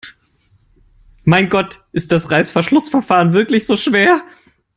Mein Gott, ist das Reißverschlussverfahren wirklich so schwer?